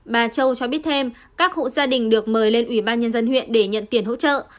bà châu cho biết thêm các hộ gia đình được mời lên ủy ban nhân dân huyện để nhận tiền hỗ trợ